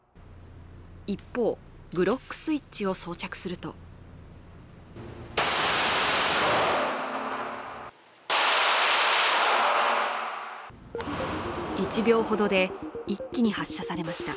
一方、グロックスイッチを装着すると１秒ほどで一気に発射されました。